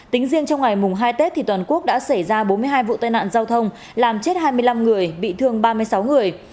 tính riêng trong ngày mùng hai tết thì toàn quốc đã xảy ra bốn mươi hai vụ tai nạn giao thông làm chết hai mươi năm người bị thương ba mươi sáu người